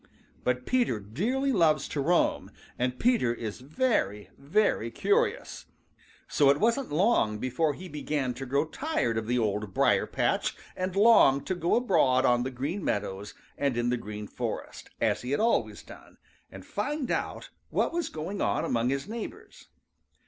But Peter dearly loves to roam, and Peter is very, very curious, so it wasn't long before he began to grow tired of the Old Briar patch and long to go abroad on the Green Meadows and in the Green Forest as he always had done, and find out all that was going on among his neighbors.